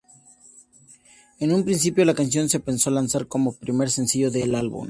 En un principio, la canción se pensó lanzar como primer sencillo del álbum.